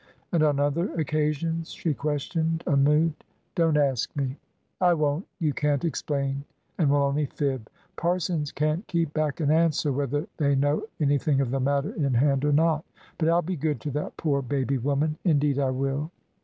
"And on other occasions?" she questioned, unmoved. "Don't ask me." "I won't. You can't explain, and will only fib. Parsons can't keep back an answer, whether they know anything of the matter in hand or not. But I'll be good to that poor baby woman indeed I will."